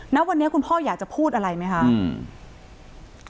ณวันนี้คุณพ่ออยากจะพูดอะไรไหมคะ